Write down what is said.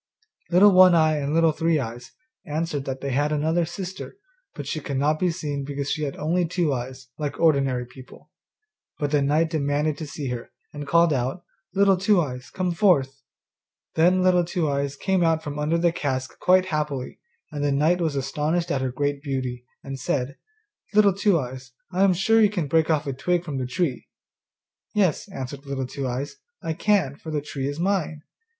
Little One eye and Little Three eyes answered that they had another sister, but she could not be seen because she had only two eyes, like ordinary people. But the knight demanded to see her, and called out, 'Little Two eyes, come forth.' Then Little Two eyes came out from under the cask quite happily, and the knight was astonished at her great beauty, and said, 'Little Two eyes, I am sure you can break me off a twig from the tree.' 'Yes,' answered Little Two eyes, 'I can, for the tree is mine.